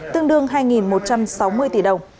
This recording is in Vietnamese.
tương đương hai một trăm sáu mươi tỷ đồng